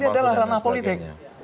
ini adalah ranah politik